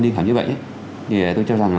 đi khám chữa bệnh thì tôi cho rằng